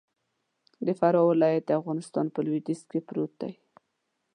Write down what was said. د فراه ولايت د افغانستان په لویدیځ کی پروت دې.